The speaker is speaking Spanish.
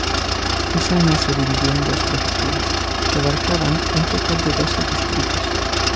Ese año se dividió en dos prefecturas, que abarcaban un total de doce distritos.